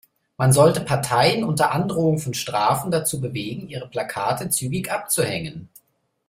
Man sollte Parteien unter Androhung von Strafen dazu bewegen, ihre Plakate zügig abzuhängen.